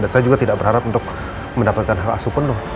dan saya juga tidak berharap untuk mendapatkan hak asuh penuh